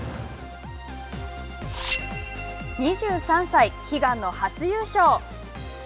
２３歳、悲願の初優勝！